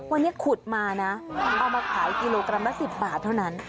วันนี้ขุดมานะเอามาขายกิโลกรัมละ๑๐บาทเท่านั้น